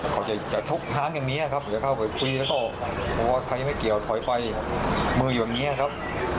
ป้ายใจปูดดีครับ